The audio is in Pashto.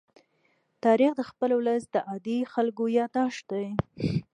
تاریخ د خپل ولس د عادي خلکو يادښت دی.